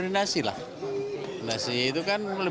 semuanya harus dihajar bicara